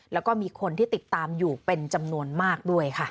แล้วก็มีคนที่ติดตามอยู่เป็นจำนวนมากด้วยค่ะ